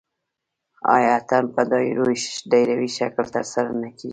آیا اتن په دایروي شکل ترسره نه کیږي؟